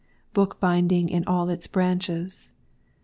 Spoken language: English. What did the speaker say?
BOOKBINDING IN ALL ITS BRANCHES.